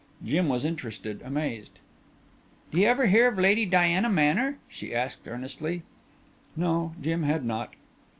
Jim was interested, amazed. "D' you ever hear of Lady Diana Manner?" she asked earnestly. No, Jim had not.